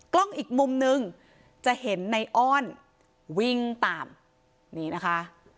กล้องอีกมุมนึงจะเห็นในอ้อนวิ่งตามนี่นะคะ